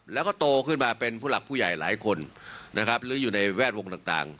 แล้วก็โตขึ้นมาเป็นผู้หลักผู้ใหญ่หลายคนนะครับหรืออยู่ในแวดวงต่าง